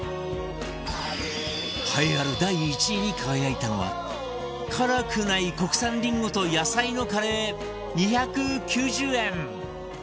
栄えある第１位に輝いたのは辛くない国産りんごと野菜のカレー２９０円